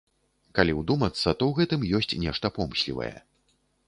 Калі ўдумацца, то ў гэтым ёсць нешта помслівае.